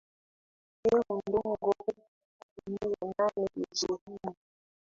Meru Ndogo elfu tatu mia nane ishirini